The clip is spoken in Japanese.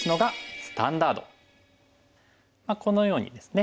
このようにですね